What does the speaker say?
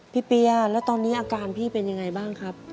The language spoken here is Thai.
เปียแล้วตอนนี้อาการพี่เป็นยังไงบ้างครับ